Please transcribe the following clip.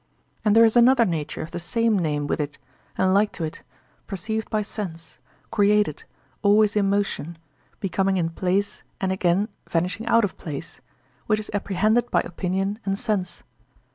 And there is another nature of the same name with it, and like to it, perceived by sense, created, always in motion, becoming in place and again vanishing out of place, which is apprehended by opinion and sense.